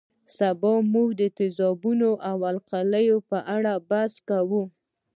سبا به موږ د تیزابونو او القلي په اړه بحث کوو